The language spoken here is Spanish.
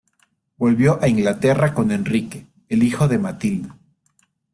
Volvió a Inglaterra con Enrique, el hijo de Matilda.